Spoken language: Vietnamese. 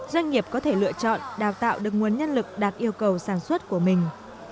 doanh nghiệp có thể lựa chọn đào tạo được nguồn nhân lực đạt yêu cầu sản xuất của mình